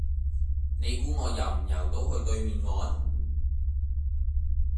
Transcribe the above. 你估我游唔游到去對面岸？